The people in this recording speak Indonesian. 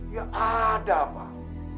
ya ada pak